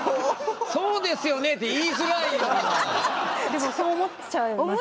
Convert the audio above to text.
でもそう思っちゃいますよね。